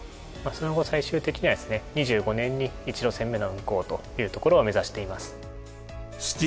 その後最終的にはですね２５年に１路線目の運行というところを目指しています。